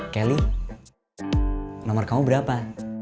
kelly nomor kamu berapa